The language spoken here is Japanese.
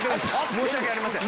申し訳ありません。